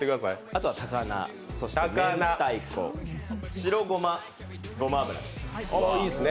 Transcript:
あとは高菜、明太子、白ごま、ごま油です。